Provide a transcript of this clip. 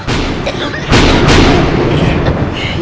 aku harus alat ibu dokter